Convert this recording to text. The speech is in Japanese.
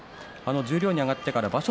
十両に上がってから場所